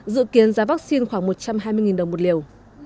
dự kiến giá vắc xin khoảng một trăm hai mươi đồng một liều